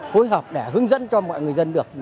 phối hợp để hướng dẫn cho mọi người dân được